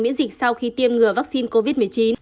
miễn dịch sau khi tiêm ngừa vaccine covid một mươi chín